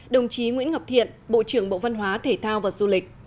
đồng chí nguyễn ngọc thiện bộ trưởng bộ văn hóa thể thao và du lịch